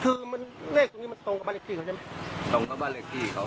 คือมันเลขตรงนี้มันตรงกับบ้านเลขที่เขาใช่ไหมตรงกับบ้านเลขที่เขา